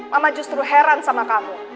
mama justru heran sama kamu